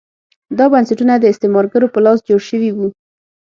دا بنسټونه د استعمارګرو په لاس جوړ شوي وو.